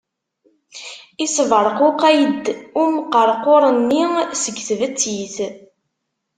Isberquqay-d umqerqur-nni seg tbettit.